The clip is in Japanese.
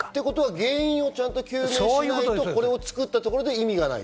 原因究明をしないと、これを作ったところで意味がないと。